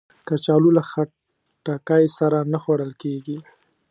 کچالو له خټکی سره نه خوړل کېږي